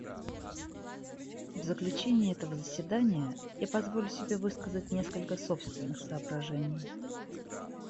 В заключение этого заседания я позволю себе высказать несколько собственных соображений.